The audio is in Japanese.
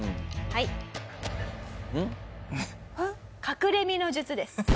隠れ身の術です。